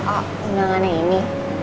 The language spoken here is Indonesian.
oh undangannya ini